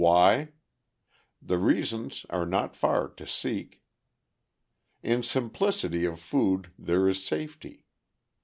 Why? The reasons are not far to seek. In simplicity of food there is safety.